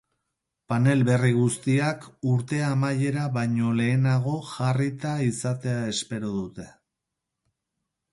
Panel berri guztiak urte amaiera baino lehenago jarrita izatea espero dute.